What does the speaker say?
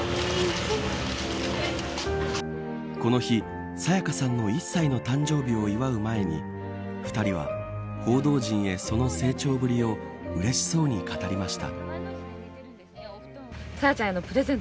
この日、沙也加さんの１歳の誕生日を祝う前に２人は報道陣へその成長ぶりをうれしそうに語りました。